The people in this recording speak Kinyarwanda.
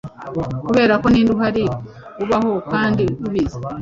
kuberako ninde uhari ubaho kandi ubizi